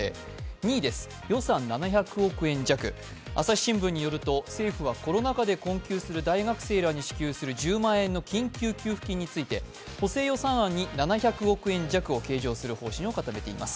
２位です、予算７００億円弱、朝日新聞によると政府はコロナ禍で困窮する大学生に支給する１０万円の緊急給付金について、補正予算案に７００億円弱をと決めています。